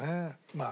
まあ